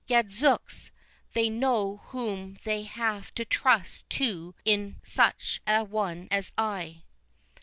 Gadzooks, they know whom they have to trust to in such a one as I."